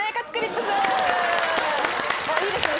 いいですね